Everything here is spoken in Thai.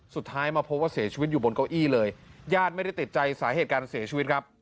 สุดท้ายมาพบว่าเสียชีวิตอยู่บนเก้าอี้เลยญาติไม่ได้ติดใจสาเหตุการเสียชีวิตครับ